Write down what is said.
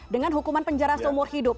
dengan hukuman penjara seumur hidup